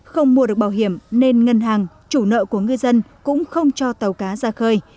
không mua được bảo hiểm nên ngân hàng chủ nợ của ngư dân cũng không cho tàu cá ra khơi